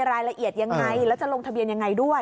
รายละเอียดยังไงแล้วจะลงทะเบียนยังไงด้วย